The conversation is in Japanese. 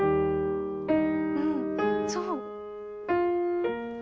うんそう。